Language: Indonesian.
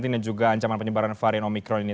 dan juga ancaman penyebaran varian omikron ini